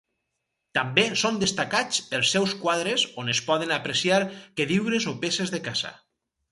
També són destacats els seus quadres on es poden apreciar queviures o peces de caça.